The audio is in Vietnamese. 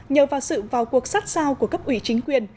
nhờ vào sự vào cuộc sát sao của cấp ủy chính quyền